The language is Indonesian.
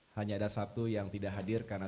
hanya ada satu yang tidak hadir karena